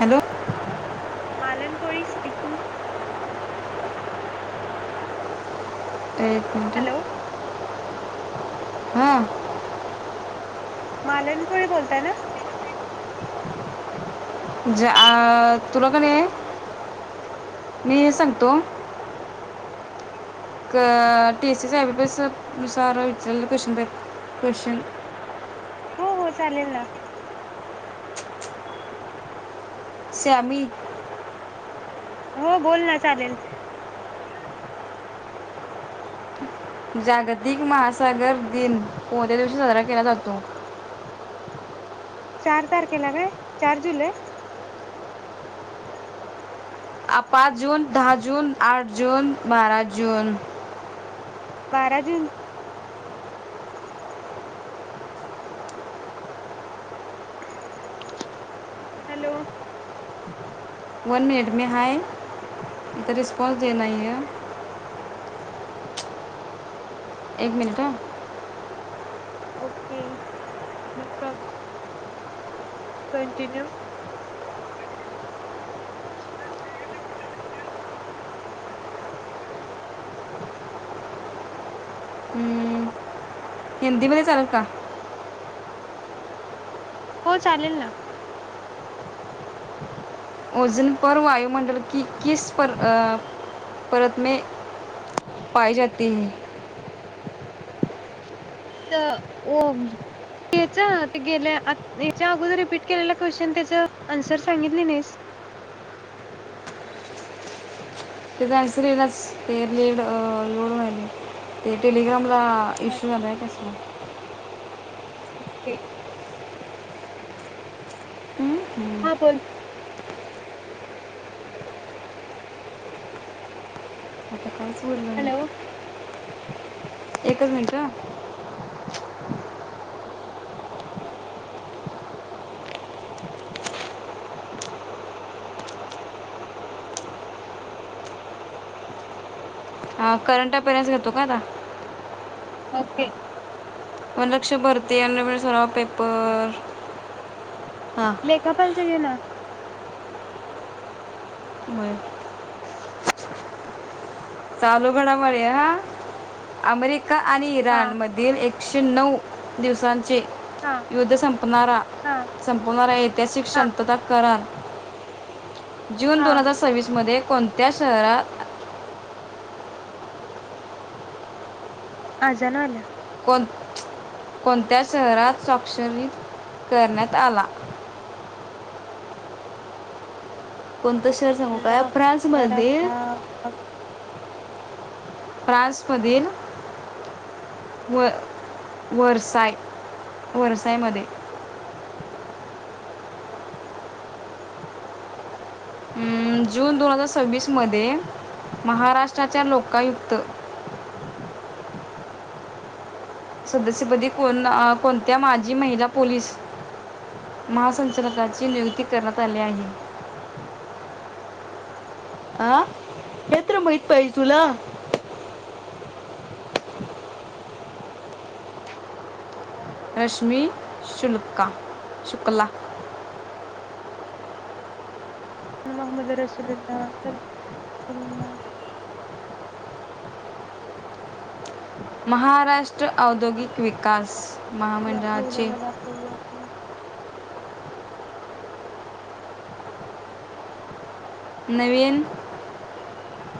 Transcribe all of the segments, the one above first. Hello मलन कर speaking एक एक मिनटं हॅलो हम्म मालनकुळी बोलताय ना ज तुलाकडे मी हे सांगतो टीएसी साहेब बस सार विच क्वेशचन पेपर कशन हो हो चालेल ना श्यामी हो बोल ना चालेल जागतिक महासागर दिन कोणत्या दिवशी साजरा केला जातो चार तारखेला काय चार जुलै पाच जून दहा जून आठ जून बारा जून बारा जून हॅलो वन मिनिट मे हाय तर रिस्पॉन्स द नाही आहे एक मिनिट ह ओके नो प्रॉब्लेम कंटिन्यू हिंदीमध्येध्ये चालल का हो चालेल ना ओझन परर वायुमंडल क कस परत म पाय जात ह तर याच ते गेल्या याच्या अगोदर रिपीट केलेला क्वेशचन त्याच आन्सर सांगितली नाहीस ह ते लोड व्हायलंय लड ते टग्राम कला इश्यू अच्छा झाला आहे कस नक्ते हम्म. हा बोल आता काहीच बोललं हॅलो एक मिनट करंट अपेरन्स घेतो का आता ओके वनलक्ष भरती आणिम सरावा पेपर हां लेखा पालच घे ना बरं चालू घडामोड अमेरिका आणि हा इराण मधील एक एकशे नणऊ दिवसां जे हा युद्ध संपणारा हा संपवणारा ऐतिहासिक हा शांतता करण जून हा दोन हजार सव्वीसमध्ये कोणत्या शहरात आजाण आल्या [inaudible] कोणत्या शहरात स्वाक्षरणी करण्यात आला? कोणतं शहर सांगू काय अल्लाह फ्रान्स अकबर मधे अल्लाह फ्रान्समधील व वरसाय वरसायमध्ये अं, जून दोन हजार सव्वीसमध्ये महाराष्ट्राच्या लोकायुक्त सदस्यपदी कोण कोणत्या माजी महिला पोलीस महासं युक्तकाची नियुक्ती अकबर करण्यात आली आहे. हा हेे तर माहित पाहिजे तुला. रश्मी शुल्का शुक्ला. मोहमद रसुलील्ला सुलील्ला महाराष्ट्र औद्योगिक विकास महामंडळाचे [unintelligible] नवीन [inaudible]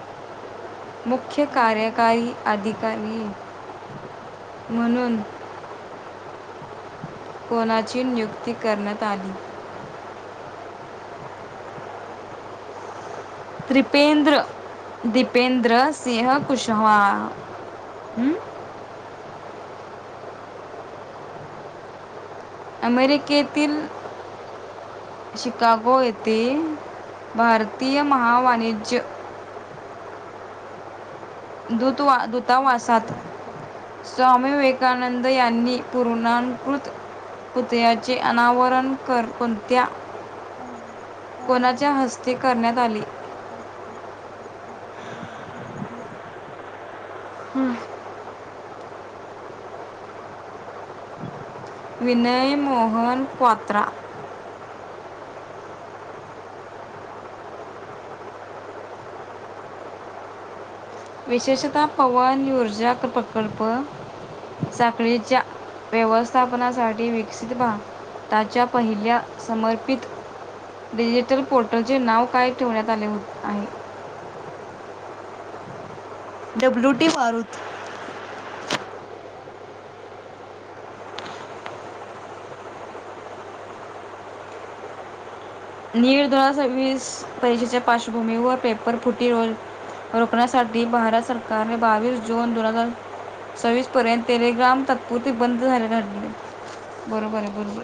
मुख्य कार्यकारी अधिक कारी म्हणून कोणाची नियुक्ती करण्यात आली? त्रिपेंद्र दीपेंद्र सिंह कुशवा. हम्म अमेरिकेतील शिकागो येथे भारतीय महा वाणिज्य [inaudible] दूतवा दूतावासात स्वामी विवेकानंद यांनी पूर्णांकृत पुतळ्याचे कोणाच्या हस्ते करण्यात आले [unintelligible] [unintelligible] विनय मोहन क्वात्रा विशेषतः पवन ऊर्जा प्रकल्प साखळीच्या व्यवस्थापनासाठी विकसित भारताच्या पहिल्या समर्पित डिजिटल पोर्टलचे नाव काय ठेवण्यात आले हो आहे? डब्ल्यू टी मारुत नीट दोन हजार सव्वीस परीक्षेच्या पार्श्वभूमीवर पेपर फुटी रोकण्यासाठी भारत सरकारने बावीस जून दोन हजार सव्वीसपर्यंत टेलीग्राम तात्पुरती बंद झालेला घडली बरोबर आहे बरोबर.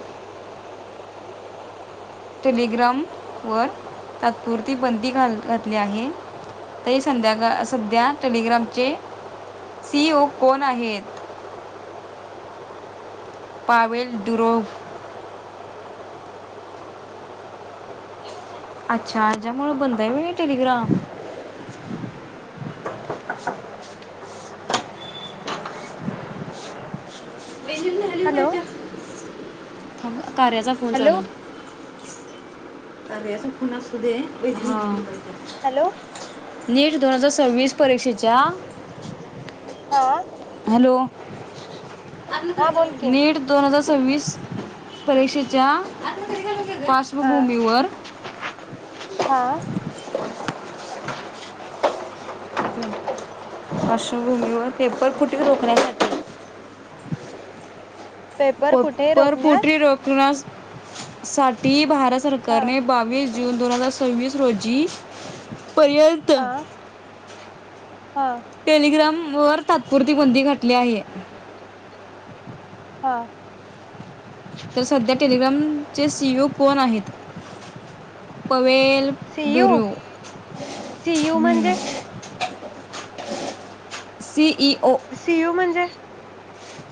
टेलिग्रामवर तात्पुरती बंदी घातली आहे. तरी संध्याकाळ सध्या टेलिग्रामचे सी ई ओ कोण आहेत? पावेल डुरोब अच्छा ज्यामुळं बंद आहे होय टेलीग्राम वेजिंग झाली हॅलो. पाहिजे थांब, कार्याचा फोन हॅलो चालू आहे, हा हॅलो एक दोन हजार सव्वीस परीक्षेच्या हा हॅलो हा बोल की नीट दोन हजार सव्वीस परीक्षेच्या हा पार्श्वभूमीवर हा पार्वभूमीवर पेपर कुठे रोखण्यासाठी पेपर कुठे रोखण्यास पेपरफुटी रोखण्यास साठी भारत हा सरकारने बावीस जून दोन हजार सव्वीस रोजी पर्यंत हा हा टेलिग्राम वर तात्पुरती बंदी घातली आहे हा तर सध्या टेलिग्रामचे सीओ कोण आहेत पवे सीयू डुर सीयू हम्म म्हणजे सीयू म्हणजे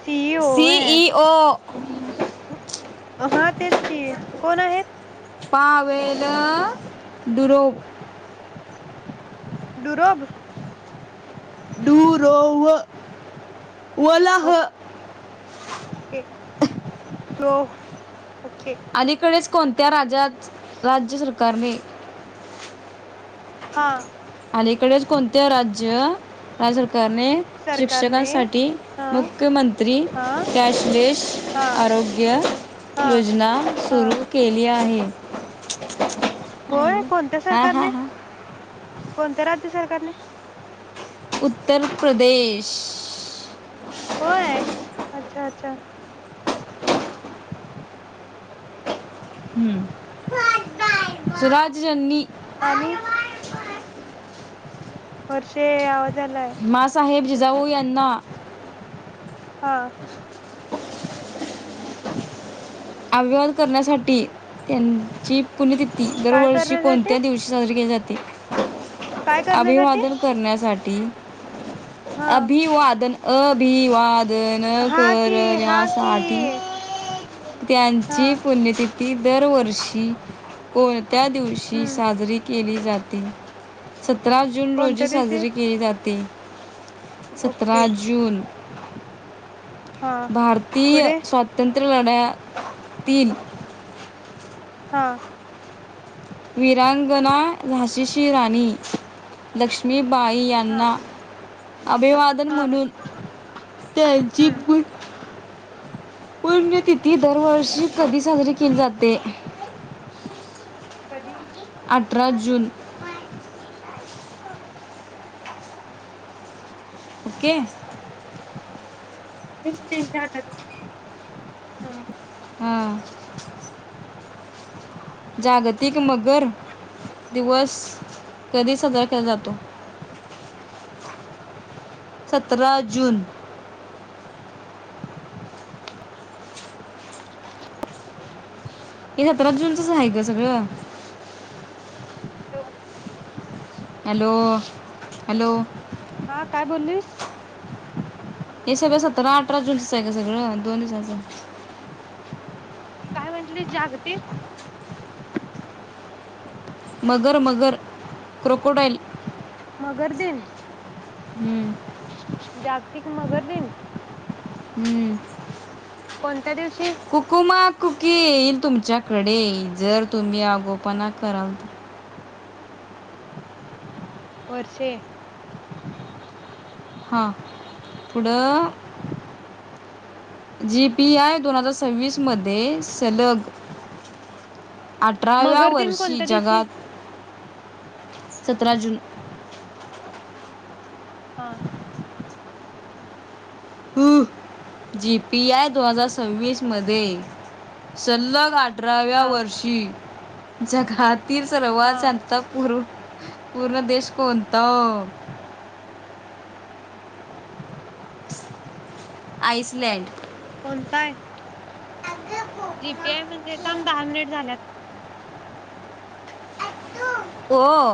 सि ई ओ आहे सीईओ आा तेच की कोण आहेत पावेल दुरोप डुरब डूरोव वलह के तो अलीकडेच कोणत्या राज्यात राज्य सरकारने हा अलीकडेच कोणते राज्य राज्य सरकार करणे सरकारने शिक्षकांसाठी हा मुख्यमंत्री हा कॅशलेश हा अ आरोग्य हा योजना हा सुरू केली आहे होय कोणत्या हा हा सरकारने हा कोणत्या राज्य सरकारने उत्तर प्रदेश होय अच्छा अच्छा हम् स्वराज्य जननी आणि वर्षे आलाय मासाहेब जिजाऊ यांना हा अव्यहान करण्यासाठी त्यांची पुण्यतिथी काय दरवर्षी करण्यासाठी कोणत्या दिवशी साजरी केली जाते काय करण्यासाठी अभिवादन करण्यासाठी हा अभिवादन अभिवादन हा कि हा कि करण्यासाठी हा त्यांची पुण्यतिथी दरवर्षी कोणत्या दिवशी हम्म साजरी के केली जाते सतरा जून रोजी कोणत्या दिवशी साजरी केली जाते सतरा ओके जून हा भारतीय पुढे स्वातंत्र्य लढतील हा वीरांगना झाशीची राणी लक्ष्मी बाई हा यांना अभिवादन हा म्हणून त्याचीी हम्म पुण्यतिथी दरवर्षी कधी साजरी केली जाते कधी अठरा जून ओके एक हा ह. जागतिक मगर दिवस कधी साजरा केला जातो? [inaudible] सतरा जून. [unintelligible] हे सतरा जून चं आहेय, ग सगळं. [unintelligible] Hello hello! हा काय बोललीस? हे सगळं सतरा, अठरा जून चं आहे. ग सगळंं. दोन [unintelligible] काय म्हटले जागतिक? मगर, मगर, क्रोकोडॉइल. [unintelligible] दिन. हम्म! जागतिक मगर दिन हम कोणत्या दिवशी हुकूमात. कुक येईल, तुमच्याकडे जर तुम्ही आगोपणा कराल. वर्षे हा पुढं जीपीआय दोन हजार सव्वीसमध्ये सलग [inaudible] अठराव्या मगर दिन वर्षी कोणत्या दिवशी जगात सतरा जून. हा. [unintelligible] जीपीआय दोन हजार सव्वीस मध्ये. [unintelligible] अठराव्या हा वर्षी जगातील हा सर्वात शांत पूर पूर्ण देश कोणत आइसलँड. कोणताय? जीपी आय म्हणजे दहा मिनिटं झाल्यात. [unintelligible]